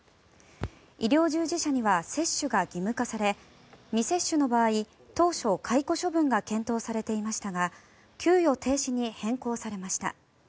医療従事者には接種が義務化され未接種の場合、当初解雇処分が検討されていましたが給与停止に変更されました。